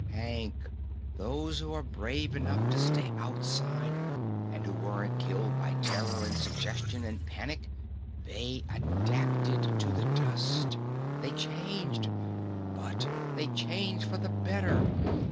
Hank, those who were brave enough to stay outside, and who weren't killed by terror and suggestion and panic they adapted to the dust. They changed, but they changed for the better.